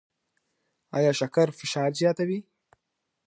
ایا شکر فشار زیاتوي؟